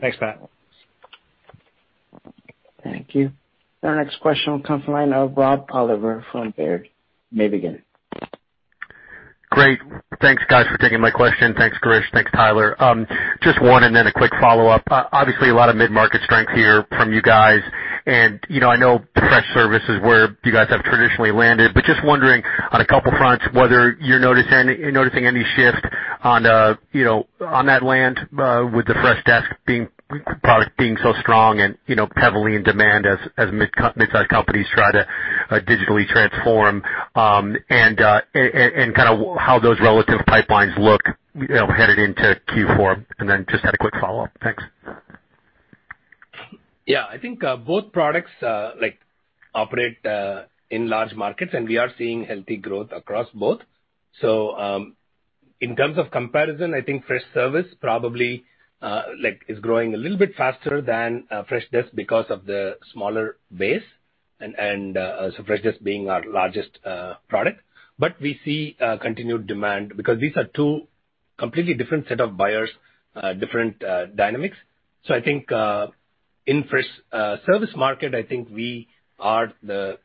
Thanks, Pat. Thank you. Our next question will come from the line of Rob Oliver from Baird. You may begin. Great. Thanks guys for taking my question. Thanks, Girish. Thanks, Tyler. Just one and then a quick follow-up. Obviously, a lot of mid-market strength here from you guys and, you know, I know Freshservice is where you guys have traditionally landed, but just wondering on a couple fronts, whether you're noticing any shift on, you know, on that land, with Freshdesk being so strong and, you know, heavily in demand as mid-sized companies try to digitally transform, and kind of how those relative pipelines look, you know, headed into Q4. Then I just had a quick follow-up. Thanks. Yeah. I think both products like operate in large markets, and we are seeing healthy growth across both. In terms of comparison, I think Freshservice probably like is growing a little bit faster than Freshdesk because of the smaller base and so Freshdesk being our largest product. But we see continued demand because these are two completely different set of buyers different dynamics. I think in Freshservice market, I think we are the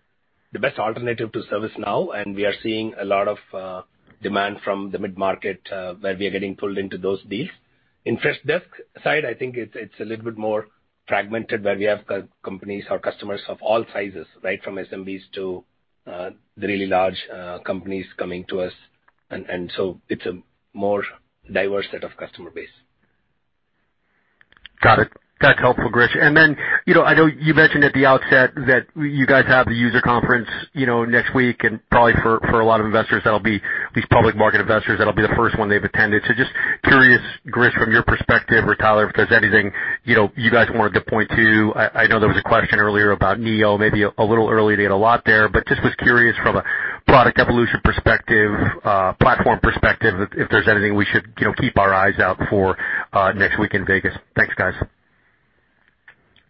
best alternative to ServiceNow, and we are seeing a lot of demand from the mid-market where we are getting pulled into those deals. On the Freshdesk side, I think it's a little bit more fragmented where we have customers of all sizes, right from SMBs to the really large companies coming to us. It's a more diverse set of customer base. Got it. That's helpful, Girish. Then, you know, I know you mentioned at the outset that you guys have the user conference, you know, next week, and probably for a lot of investors, that'll be, at least public market investors, that'll be the first one they've attended. Just curious, Girish, from your perspective or Tyler, if there's anything, you know, you guys wanted to point to. I know there was a question earlier about Neo, maybe a little early to get a lot there, but just was curious from a product evolution perspective, platform perspective, if there's anything we should, you know, keep our eyes out for, next week in Vegas. Thanks, guys.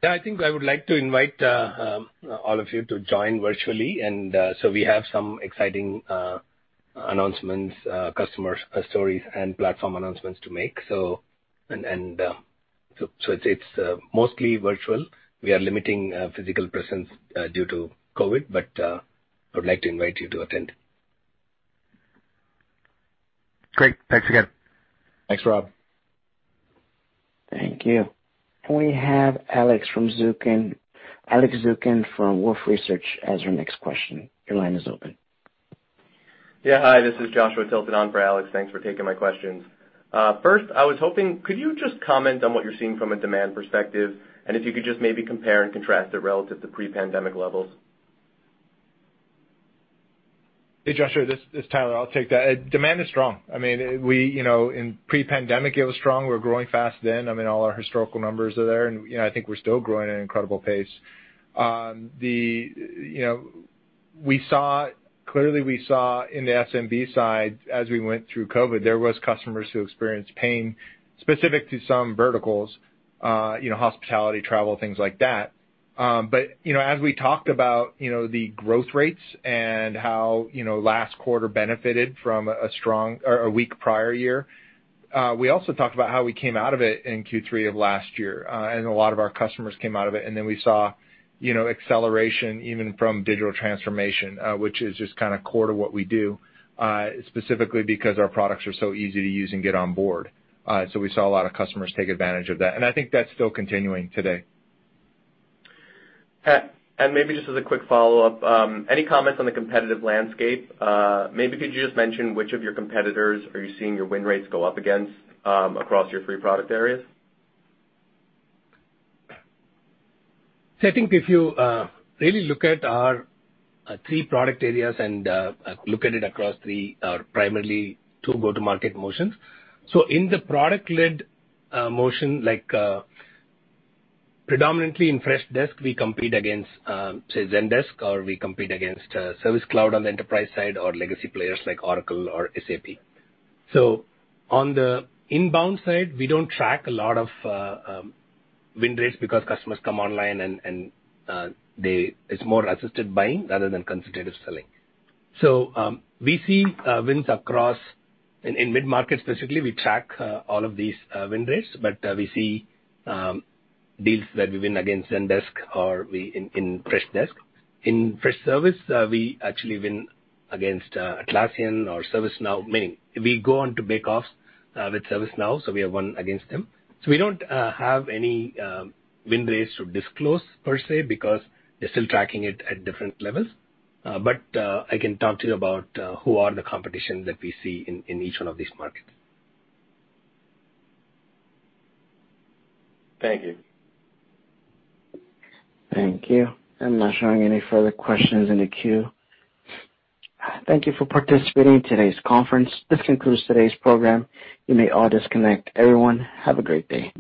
Yeah, I think I would like to invite all of you to join virtually. We have some exciting announcements, customer stories and platform announcements to make. It's mostly virtual. We are limiting physical presence due to COVID, but I would like to invite you to attend. Great. Thanks again. Thanks, Rob. Thank you. We have Alex Zukin from Wolfe Research as our next question. Your line is open. Yeah. Hi, this is Joshua Tilton on for Alex. Thanks for taking my questions. First, I was hoping, could you just comment on what you're seeing from a demand perspective, and if you could just maybe compare and contrast it relative to pre-pandemic levels? Hey, Joshua, this is Tyler. I'll take that. Demand is strong. I mean, we, you know, in pre-pandemic it was strong. We were growing fast then. I mean, all our historical numbers are there and, you know, I think we're still growing at an incredible pace. You know, we saw clearly in the SMB side as we went through COVID, there was customers who experienced pain specific to some verticals, you know, hospitality, travel, things like that. You know, as we talked about, you know, the growth rates and how, you know, last quarter benefited from a strong or a weak prior year, we also talked about how we came out of it in Q3 of last year, and a lot of our customers came out of it. We saw, you know, acceleration even from digital transformation, which is just kinda core to what we do, specifically because our products are so easy to use and get on board. We saw a lot of customers take advantage of that, and I think that's still continuing today. Maybe just as a quick follow-up, any comments on the competitive landscape? Maybe could you just mention which of your competitors are you seeing your win rates go up against, across your three product areas? I think if you really look at our three product areas and look at it across three or primarily two go-to-market motions. In the product-led motion, like predominantly in Freshdesk, we compete against, say, Zendesk, or we compete against Service Cloud on the enterprise side or legacy players like Oracle or SAP. On the inbound side, we don't track a lot of win rates because customers come online and it's more assisted buying rather than consultative selling. We see wins across in mid-market specifically, we track all of these win rates, but we see deals that we win against Zendesk or win in Freshdesk. In Freshservice, we actually win against Atlassian or ServiceNow. Meaning we go on to bake-offs with ServiceNow, so we have won against them. We don't have any win rates to disclose per se because they're still tracking it at different levels. I can talk to you about who the competition that we see in each one of these markets. Thank you. Thank you. I'm not showing any further questions in the queue. Thank you for participating in today's conference. This concludes today's program. You may all disconnect. Everyone, have a great day.